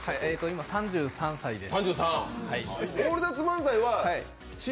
今、３３歳です。